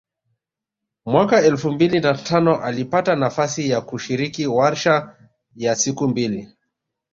Mwaka elfu mbili na tano alipata nafasi ya kushiriki warsha ya siku mbili